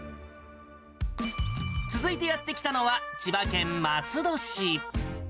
続いてやって来たのは、千葉県松戸市。